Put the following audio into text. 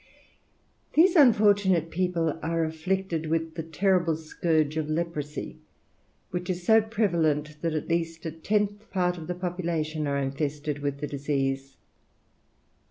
These unfortunate people are afflicted with the terrible scourge of leprosy, which is so prevalent that at least a tenth part of the population are infested with the disease.